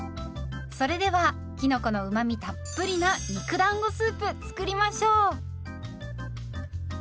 それではきのこのうまみたっぷりな肉だんごスープ作りましょう。